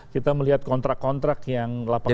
kita melihat kontrak kontrak yang lapan lapan tahun lalu